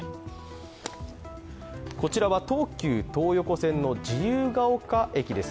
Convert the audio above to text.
こちらは東急東横線の自由が丘駅です。